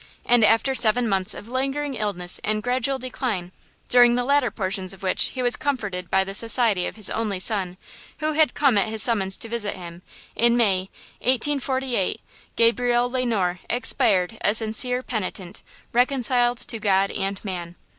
And after seven months of lingering illness and gradual decline, during the latter portions of which he was comforted by the society of his only son, who had come at his summons to visit him, in May, 1848, Gabriel Le Noir expired a sincere penitent, reconciled to God and man.